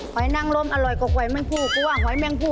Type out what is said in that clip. หอยนังรมอร่อยกว่าหอยแมลงผู้